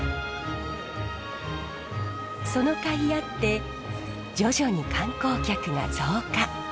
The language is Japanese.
そのかいあって徐々に観光客が増加。